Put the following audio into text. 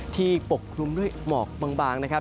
ปกคลุมด้วยหมอกบางนะครับ